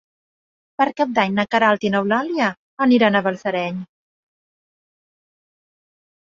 Per Cap d'Any na Queralt i n'Eulàlia aniran a Balsareny.